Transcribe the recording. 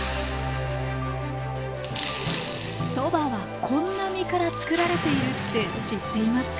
ソバはこんな実から作られているって知っていますか？